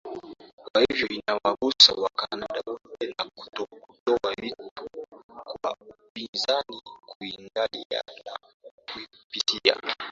kwa hivyo inawagusa wacanada wote na kutoa wito kwa upinzani kuiangalia na kuipitia